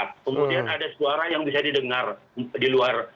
kemudian ada suara yang bisa didengar di luar